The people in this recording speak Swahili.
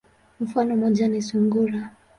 Mfano moja ni sungura.